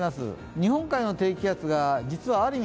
日本海の低気圧が実はある意味